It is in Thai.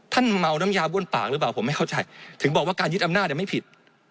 เมาน้ำยาบ้วนปากหรือเปล่าผมไม่เข้าใจถึงบอกว่าการยึดอำนาจไม่ผิด